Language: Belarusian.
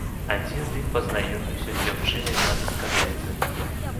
Адзін з іх пазнаёміўся з дзяўчынай на дыскатэцы.